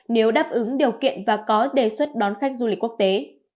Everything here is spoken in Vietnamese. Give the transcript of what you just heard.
nếu đáp ứng điều kiện và có đề xuất đón khách du lịch quốc tế